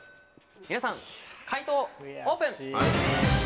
皆さん解答オープン！